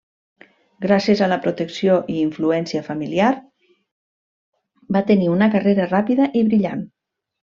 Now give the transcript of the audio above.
Gràcies a la protecció i influència familiar, va tenir una carrera ràpida i brillant.